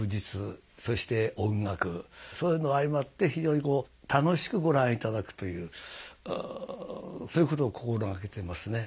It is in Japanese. そういうのが相まって非常に楽しくご覧いただくというそういうことを心がけてますねはい。